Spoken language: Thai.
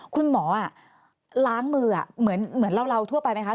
คุณหมอล้างมือเหมือนเราทั่วไปไหมคะ